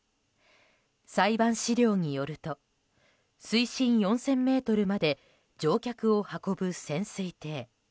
裁判資料によると水深４０００ｍまで乗客を運ぶ潜水艇。